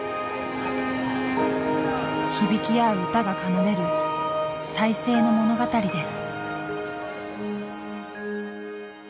響きあう歌が奏でる再生の物語です。